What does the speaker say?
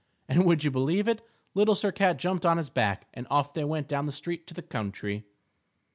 And, would you believe it? Little Sir Cat jumped on his back, and off they went down the street to the country.